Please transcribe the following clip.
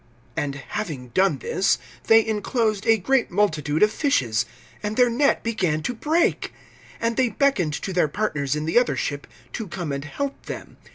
(6)And having done this, they inclosed a great multitude of fishes; and their net began to break. (7)And they beckoned to their partners in the other ship, to come and help them.